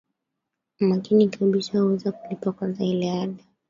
makini kabisa kuweza kulipa kwanza ile ada